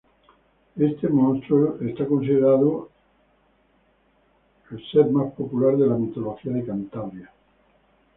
Este monstruo es considerado el ser más popular de la mitología de Cantabria.